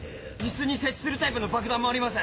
イスに設置するタイプの爆弾もあります！